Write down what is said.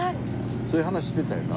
そういう話してたよな。